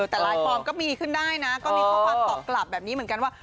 แต่ไลน์ฟอร์มก็มีขึ้นได้นะก็มีข้อความตอบกลับแบบนี้เหมือนกันว่า